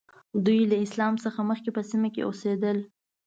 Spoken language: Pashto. دوی له اسلام څخه مخکې په سیمه کې اوسېدل.